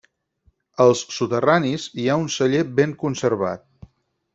Als soterranis hi ha un celler ben conservat.